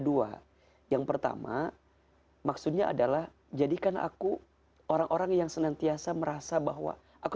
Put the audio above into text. dua yang pertama maksudnya adalah jadikan aku orang orang yang senantiasa merasa bahwa aku